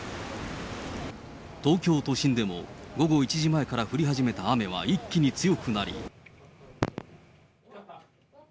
東京都心でも、午後１時前から降り始めた雨は一気に強くなり。